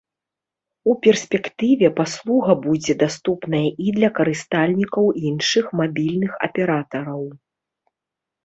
У перспектыве паслуга будзе даступная і для карыстальнікаў іншых мабільных аператараў.